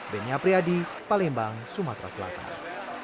lrt palembang sumatera selatan